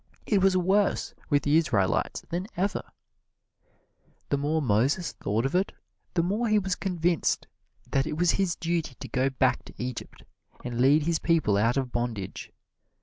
It was worse with the Israelites than ever! The more Moses thought of it the more he was convinced that it was his duty to go back to Egypt and lead his people out of bondage.